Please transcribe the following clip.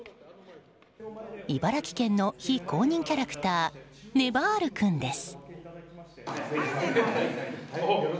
茨城県の非公認キャラクターねばる君です。